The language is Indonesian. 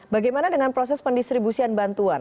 bagaimana dengan proses pendistribusian bantuan